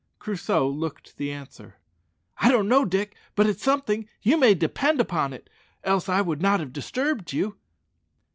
Crusoe looked the answer, "I don't know, Dick, but it's something, you may depend upon it, else I would not have disturbed you."